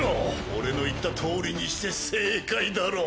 俺の言ったとおりにして正解だろう。